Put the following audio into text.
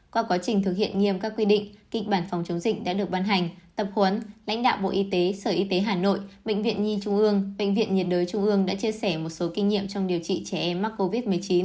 qua quá trình thực hiện nghiêm các quy định kịch bản phòng chống dịch đã được ban hành tập huấn lãnh đạo bộ y tế sở y tế hà nội bệnh viện nhi trung ương bệnh viện nhiệt đới trung ương đã chia sẻ một số kinh nghiệm trong điều trị trẻ em mắc covid một mươi chín